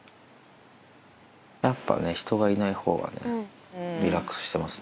やっぱね、人がいないほうがね、リラックスしてますね。